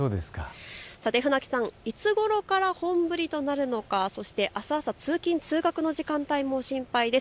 さて船木さん、いつごろから本降りとなるのか、そしてあす朝、通勤通学の時間帯も心配です。